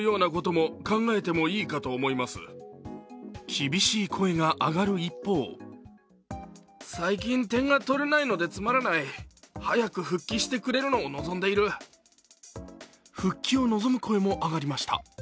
厳しい声が上がる一方復帰を望む声も上がりました。